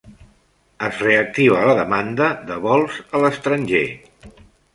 Es reactiva la demanda de vols a l'estranger.